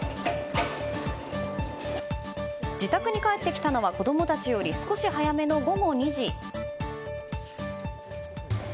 自宅に帰ってきたのは子供たちより少し早めの午後２時。